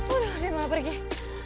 aduh gue udah marah deh